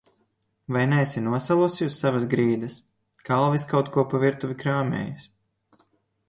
Vai neesi nosalusi uz savas grīdas? Kalvis kaut ko pa virtuvi krāmējas.